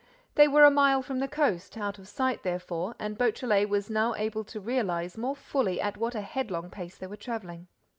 They were a mile from the coast, out of sight, therefore, and Beautrelet was now able to realize more fully at what a headlong pace they were traveling.